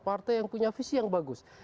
partai yang punya visi yang bagus